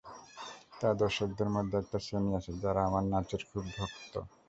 তাই দর্শকদের মধ্যে একটা শ্রেণি আছে, যারা আমার নাচের খুব ভক্ত।